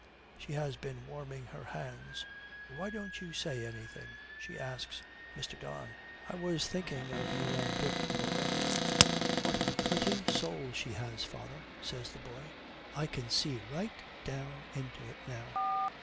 She has been warming her hands. 'Why don't you say anything?' she asks Mr. Don. 'I was thinking of you and Dick, Laura.' 'What a pretty soul she has, father,' says the boy; 'I can see right down into it now.'